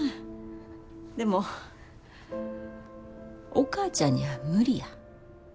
でもお母ちゃんには無理や。